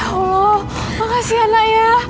ya allah makasih ya anaknya